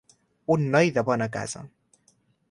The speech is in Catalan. Un noi de bona casa.